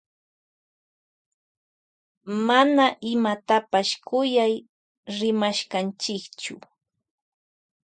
Mana rimashkanchichu imatapash kuyay.